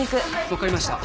分かりました。